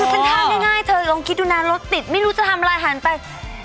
คือเป็นท่าง่ายเธอลองคิดดูนะรถติดไม่รู้จะทำอะไรหันไป